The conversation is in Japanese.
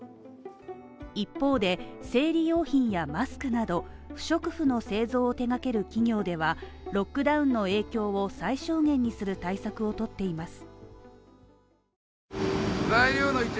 一方で、生理用品やマスクなど、不織布の製造を手がける企業ではロックダウンの影響を最小限にする対策をとっています。